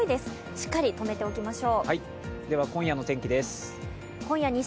しっかり止めておきましょう。